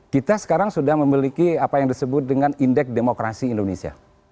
kita sekarang sudah memiliki apa yang disebut dengan indeks demokrasi indonesia